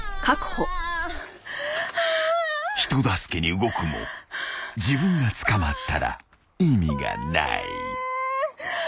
［人助けに動くも自分が捕まったら意味がない］